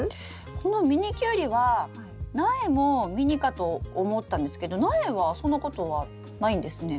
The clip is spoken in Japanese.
このミニキュウリは苗もミニかと思ったんですけど苗はそんなことはないんですね。